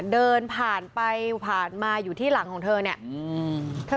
เดินผ่านไปผ่านมาอยู่ที่หลังของเธอเนี่ย